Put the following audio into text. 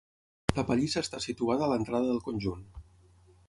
La pallissa està situada a l'entrada del conjunt.